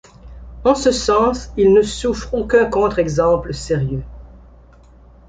En ce sens il ne souffre aucun contre exemple sérieux.